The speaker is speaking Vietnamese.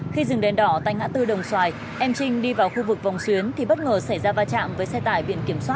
khi dừng đèn đỏ tại ngã tư đồng xoài em trinh đi vào khu vực vòng xuyến thì bất ngờ xảy ra va chạm với xe tải biển kiểm soát